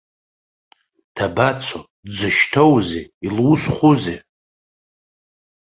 Дабацо, дзышьҭоузеи, илусхәузеи?